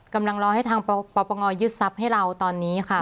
กำลังรอให้ทางปปงยึดทรัพย์ให้เราตอนนี้ค่ะ